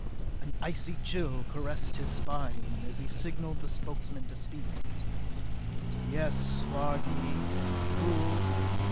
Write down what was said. An icy chill caressed his spine as he signalled the Spokesmen to speak. "Yes, Vardee? Prull?